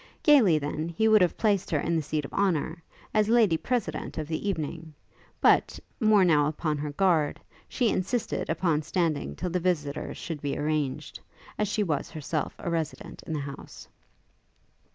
Gaily, then, he would have placed her in the seat of honour, as Lady President of the evening; but, more now upon her guard, she insisted upon standing till the visitors should be arranged, as she was herself a resident in the house.